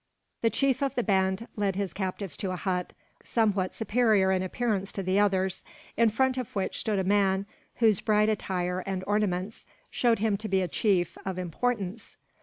The chief of the band led his captives to a hut, somewhat superior in appearance to the others, in front of which stood a man whose bright attire and ornaments showed him to be a chief of importance.